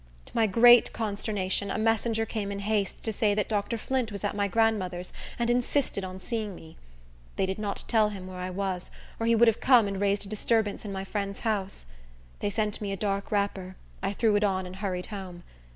To my great consternation, a messenger came in haste to say that Dr. Flint was at my grandmother's, and insisted on seeing me. They did not tell him where I was, or he would have come and raised a disturbance in my friend's house. They sent me a dark wrapper, I threw it on and hurried home.